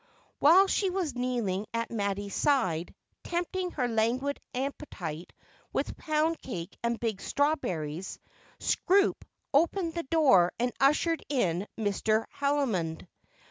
While she was kneeling at Mattie's side, tempting her languid appetite with pound cake and big strawberries, Scroope opened the door and ushered in Mr. Haldimond.